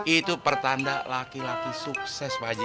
itu pertanda laki laki sukses pak jk